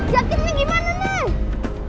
jatuh ini gimana nih